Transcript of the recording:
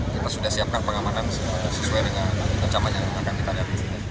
kita sudah siapkan pengamanan sesuai dengan rencana yang akan kita lihat